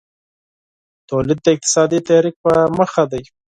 تولید د اقتصادي تحرک په موخه دی.